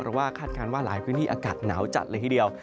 เพราะว่าคาดการณ์ว่าหลายพื้นที่อากาศหนาวจัดเลยทีเดียว